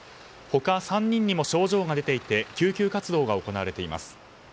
他３人にも症状が出ていて救急活動が行われています。